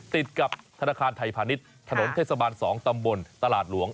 ติดกับธนาคารไทยพาณิชย์ถนนเทศบาล๒ตำบลตลาดหลวง